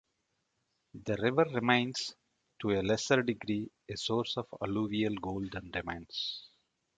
The river remains, to a lesser degree, a source of alluvial gold and diamonds.